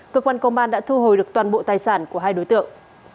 cơ quan công an đã thu hồi được toàn bộ tài sản của hai đối tượng